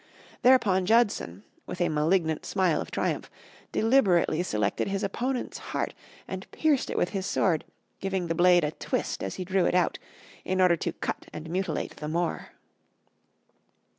Thereupon, Judson, with a malignant smile of triumph, deliberately selected his opponent's heart and pierced it with his sword, giving the blade a twist as he drew it out in order to cut and mutilate the more.